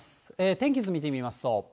天気図見てみますと。